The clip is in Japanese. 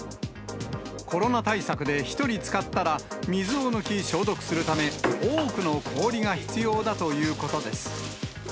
コロナ対策で１人使ったら、水を抜き消毒するため、多くの氷が必要だということです。